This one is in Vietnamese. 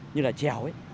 như là trèo ấy